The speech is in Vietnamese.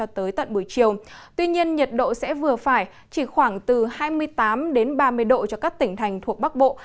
tuy nhiên nhiệt độ sẽ vừa phải chỉ khoảng từ hai mươi tám ba mươi độ cho các tỉnh thành thuộc bắc bộ